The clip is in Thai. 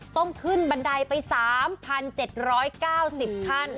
ต้องขึ้นบันไดไปสามพันเจ็ดร้อยเก้าสิบขั้น